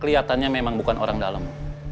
kelihatannya memang bukan orang dalam